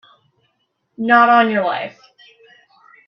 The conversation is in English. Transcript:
Not on your life!